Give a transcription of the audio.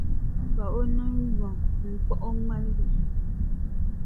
Ka o niŋ yom n-kpuɣi o ŋmaligi.